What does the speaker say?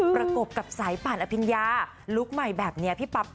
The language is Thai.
ประกบกับสายป่านอพิญญา